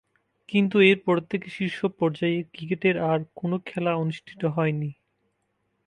কিন্ত এরপর থেকে শীর্ষ পর্যায়ের ক্রিকেটের আর কোন খেলা অনুষ্ঠিত হয়নি।